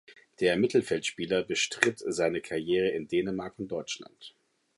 Der Mittelfeldspieler bestritt seine Karriere in Dänemark und Deutschland.